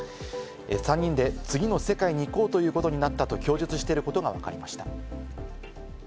３人で次の世界に行こうということになったと供述していることがわかりました。